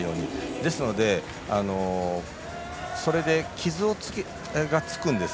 ですので、それで傷がつくんです。